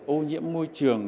ô nhiễm môi trường